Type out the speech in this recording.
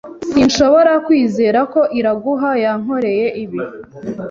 Sinshobora kwizera ko Iraguha yankoreye ibi.